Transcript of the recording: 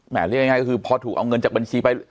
เรียกง่ายก็คือพอถูกเอาเงินจากบัญชีไป